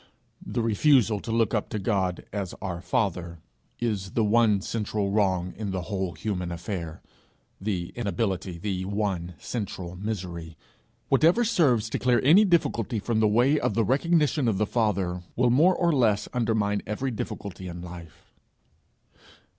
The refusal to look up to God as our Father is the one central wrong in the whole human affair; the inability, the one central misery: whatever serves to clear any difficulty from the way of the recognition of the Father, will more or less undermine every difficulty in life.